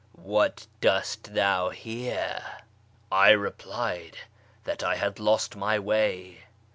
What dost thou here ?') I replied that I had lost my way.